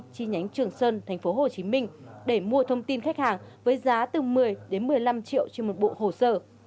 chi nhánh trường sơn tp hcm để mua thông tin khách hàng với giá từ một mươi đến một mươi năm triệu trên một bộ hồ sơ